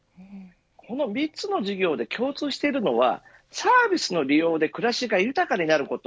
この３つの事業で共通しているのはサービスの利用で暮らしが豊かになること。